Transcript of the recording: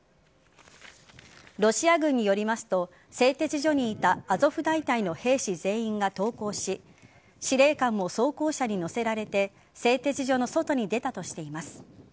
ロシア軍によりますと製鉄所にいたアゾフ大隊の兵士全員が投降し司令官も装甲車に乗せられて製鉄所の外に出たとしています。